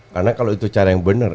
karena kalau itu cara yang benar